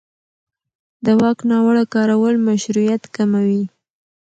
د واک ناوړه کارول مشروعیت کموي